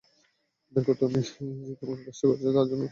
দেখ, তুমি এখানে যে কাজটা করছো, তার জন্য তুমি ওভার কোয়ালিফাইড।